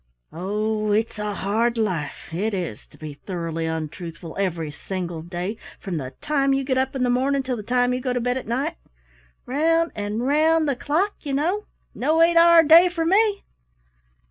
Oh, it's a hard life, it is, to be thoroughly untruthful every single day from the time you get up in the morning till the time you go to bed at night round and round the clock, you know! No eight hour day for me.